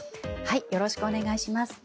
よろしくお願いします。